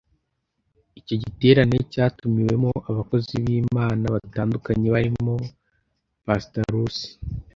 Icyo giterane cyatumiwemo abakozi b’Imana batandukanye barimo Pr Russe